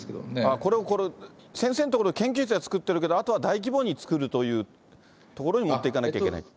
これは、先生のところの研究室で作ってるけど、あとは大規模に作るというところに持っていかなきゃいけない。